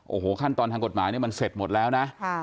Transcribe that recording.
โอ้โหขั้นตอนทางกฎหมายเนี่ยมันเสร็จหมดแล้วนะ